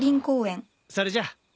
それじゃ。